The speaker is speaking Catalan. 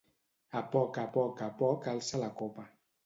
A poc a poc a poc alça la copa.